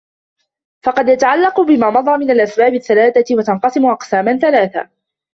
فَقَدْ يَتَعَلَّقُ بِمَا مَضَى مِنْ الْأَسْبَابِ الثَّلَاثَةِ وَتَنْقَسِمُ أَقْسَامًا ثَلَاثَةً